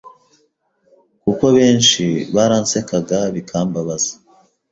kuko benshi baransekaga bikambabaza